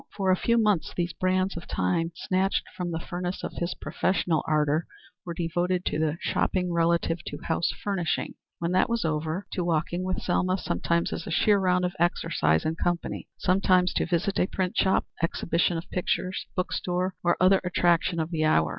For a few months these brands of time snatched from the furnace of his professional ardor were devoted to the shopping relative to house furnishing. When that was over, to walking with Selma; sometimes as a sheer round of exercise in company, sometimes to visit a print shop, exhibition of pictures, book store, or other attraction of the hour.